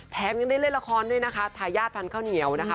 ยังได้เล่นละครด้วยนะคะทายาทฟันข้าวเหนียวนะคะ